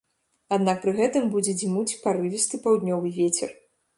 Аднак пры гэтым будзе дзьмуць парывісты паўднёвы вецер.